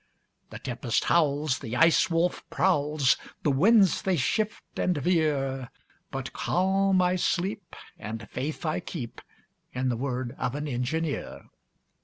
The tempest howls, The Ice Wolf prowls, The winds they shift and veer, But calm I sleep, And faith I keep In the word of an engineer.